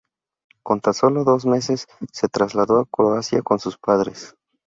Con tan solo dos meses se trasladó a Croacia con sus padres.